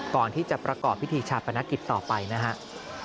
ก่อนที่จะประกอบพิธีชาปนกิจต่อไปนะครับ